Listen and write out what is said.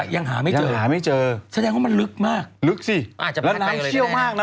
ยังหาไม่เจอหาไม่เจอแสดงว่ามันลึกมากลึกสิอาจจะแล้วน้ำเชี่ยวมากนะ